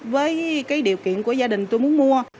với điều kiện của gia đình tôi muốn mua